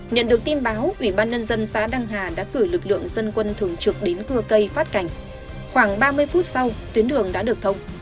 nhận được tin báo ủy ban nhân dân xã đăng hà đã cử lực lượng dân quân thường trực đến cưa cây phát cảnh khoảng ba mươi phút sau tuyến đường đã được thông